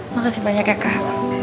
makasih banyak ya kak